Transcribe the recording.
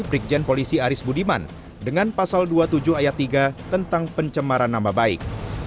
brigjen polisi aris budiman dengan pasal dua puluh tujuh ayat tiga tentang pencemaran nama baik